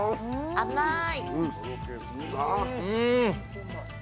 甘い